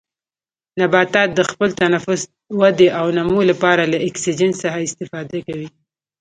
نباتات د خپل تنفس، ودې او نمو لپاره له اکسیجن څخه استفاده کوي.